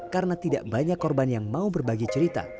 karena tidak banyak korban yang mau berbagi cerita